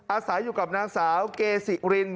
อาศัยอยู่กับนางสาวเกซิริน